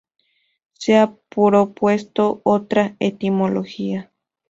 Se ha propuesto otra etimología.